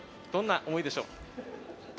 どんな思いでしょう？